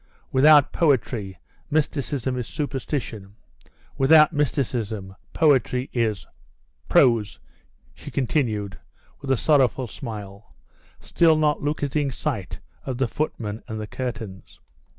"Without poetry, mysticism is superstition; without mysticism, poetry is prose," she continued, with a sorrowful smile, still not losing sight of the footman and the curtains.